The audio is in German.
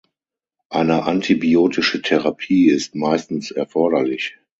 Eine antibiotische Therapie ist meistens erforderlich.